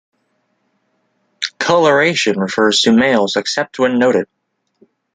Colouration refers to males except when noted.